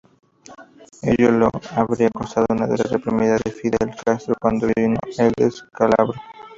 Ello le habría costado una dura reprimenda de Fidel Castro cuando vino el descalabro.